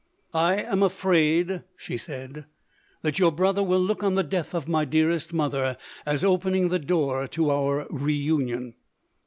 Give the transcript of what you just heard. " I am afraid, 1 ' she said, " that your brother will look on the death of my dearest mother as opening the door to our re union.